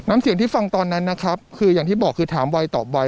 เสียงที่ฟังตอนนั้นนะครับคืออย่างที่บอกคือถามไวตอบไว